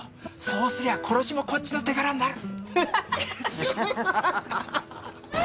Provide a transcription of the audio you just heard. そうすりゃあ殺しもこっちの手柄になる。